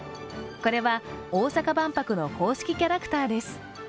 これは大阪万博の公式キャラクターです。